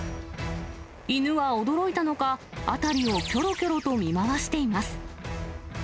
犬は驚いたのか、辺りをきょろきょろと見回しています。